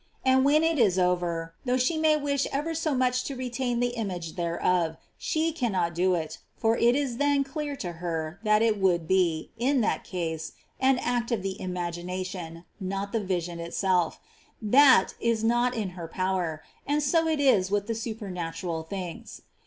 And when it is over, — though she may wish ever so much to retain the image thereof, — she cannot do it, for it is then clear to her that it would be, in that case, an act of the imagination, not the vision itself, — that is not in her power ; and so it is with the supernatural things.